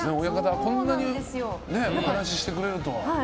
こんなにお話ししてくれるとは。